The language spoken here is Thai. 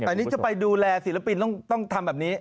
แต่นี่จะไปดูแลศิลปินต้องทำแบบนี้